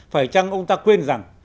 phải chăng ông ta quên rằng